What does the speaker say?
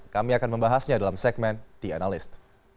kami akan membahasnya dalam segmen the analyst